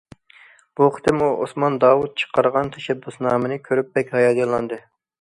بۇ قېتىم ئۇ ئوسمان داۋۇت چىقارغان تەشەببۇسنامىنى كۆرۈپ بەك ھاياجانلاندى.